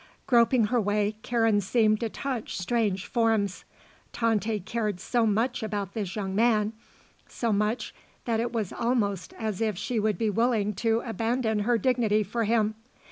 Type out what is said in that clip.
Groping her way, Karen seemed to touch strange forms. Tante cared so much about this young man; so much that it was almost as if she would be willing to abandon her dignity for him.